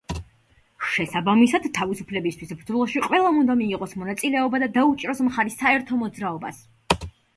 შესაბამისად, თავისუფლებისთვის ბრძოლაში ყველამ უნდა მიიღოს მონაწილეობა და დაუჭიროს მხარი საერთო მოძრაობას.